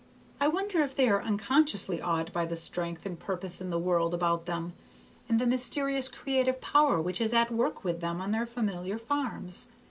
I wonder if they are unconsciously awed by the strength and purpose in the world about them, and the mysterious creative power which is at work with them on their familiar farms.